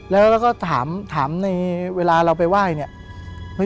แล้วก็ถามในเวลาเราไปไหว้